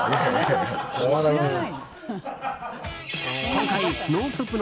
今回、「ノンストップ！」